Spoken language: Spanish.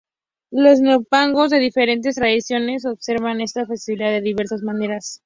Los neopaganos de diferentes tradiciones observan esta festividad de diversas maneras.